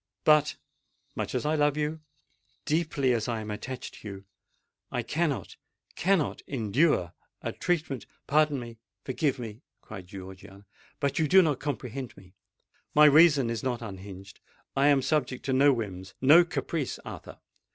But—much as I love you—deeply as I am attached to you—I cannot—cannot endure a treatment——" "Pardon me—forgive me!" cried Georgiana; "but you do not comprehend me! My reason is not unhinged,—I am subject to no whims—no caprice, Arthur!